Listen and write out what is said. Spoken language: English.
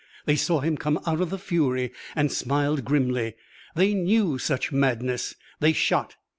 They saw him come out of the fury and smiled grimly. They knew such madness. They shot.